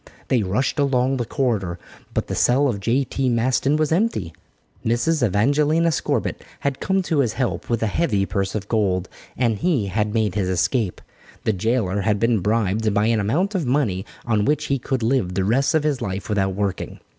They rushed along the corridor but the cell of J.T. Maston was empty. Mrs. Evangelina Scorbitt had come to his help with a heavy purse of gold, and he had made his escape. The jailer had been bribed by an amount of money on which he could live the rest of his life without working.